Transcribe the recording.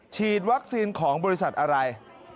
ฉีดวัคซีนของบริษัทอะไร